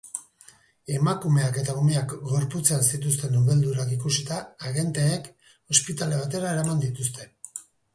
Emakumeak eta umeak gorputzean zituzten ubeldurak ikusita, agenteek ospitale batera eraman dituzte.